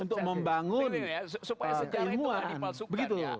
untuk membangun ilmuwan